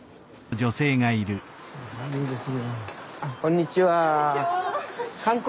こんにちは。